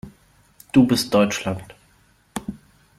Du bist Deutschland.